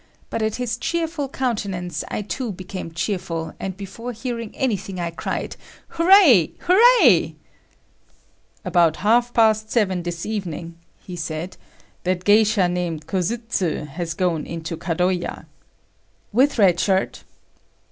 But at his cheerful countenance, I too became cheerful, and before hearing anything, I cried, "Hooray! Hooray!" "About half past seven this evening," he said, "that geisha named Kosuzu has gone into Kadoya." "With Red Shirt?"